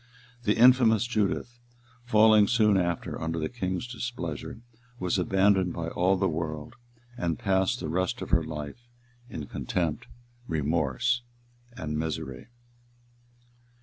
The infamous Judith, falling soon after under the king's displeasure, was abandoned by all the world, and passed the rest of her life in contempt, remorse, and misery.